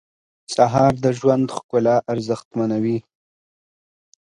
سهار د ژوند ښکلا ارزښتمنوي.